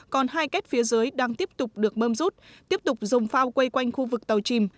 còn hai két phía dưới đang tiếp tục được bơm rút tiếp tục dùng phao quay quanh khu vực tàu chìm